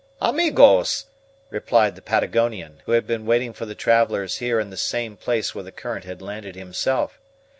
"Amigos!" replied the Patagonian, who had been waiting for the travelers here in the same place where the current had landed himself.